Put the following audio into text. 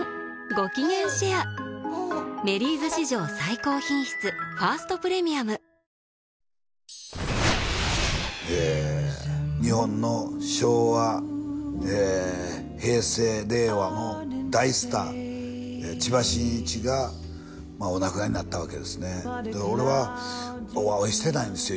ごきげんシェア「メリーズ」史上最高品質「ファーストプレミアム」えー日本の昭和えー平成令和の大スター千葉真一がお亡くなりになったわけですね俺はお会いしてないんですよ